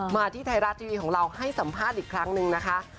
มาที่ไทยรัฐทีวีของเราให้สัมภาษณ์อีกครั้งหนึ่งนะคะ